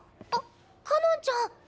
あっかのんちゃん。